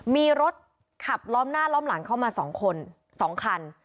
มีรถขับล้อมหน้าล้อมหลังเข้ามา๒คน๒คัน